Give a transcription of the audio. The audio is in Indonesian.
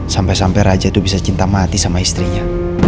sampai sampai raja itu bisa cinta mati sama istrinya